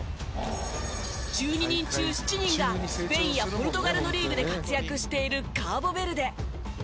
１２人中７人がスペインやポルトガルのリーグで活躍しているカーボベルデ。